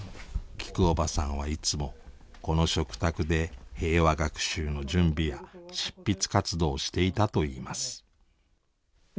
きくおばさんはいつもこの食卓で平和学習の準備や執筆活動をしていたといいます。